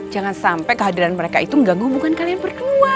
jangan sampai kehadiran mereka itu mengganggu bukan kalian berdua